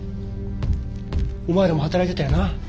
お前らも働いてたよな？